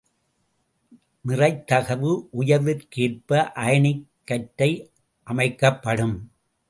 நிறைத்தகவு உயற்விற்கேற்ப அயனிக் கற்றை அமைக்கப்படும்.